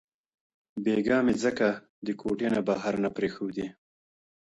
بېګاه مې ځکه د کوټې نه بهر نه پرېښودې